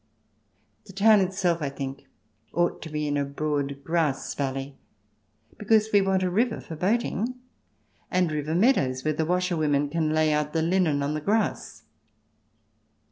The town itself, I think, ought to be in a broad grass valley, because we want a river for boating, and river meadows where the washerwomen can lay out the linen on the grass.